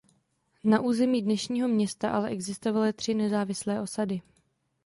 Na území dnešního města ale existovaly tři nezávislé osady.